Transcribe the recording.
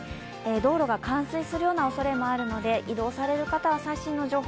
道路が冠水するおそれもあるので移動される方は最新の情報